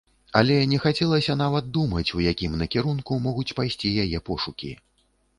Але не хацелася нават думаць, у якім накірунку могуць пайсці яе пошукі.